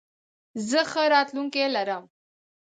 زه ښه راتلونکې لرم.